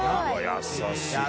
優しい。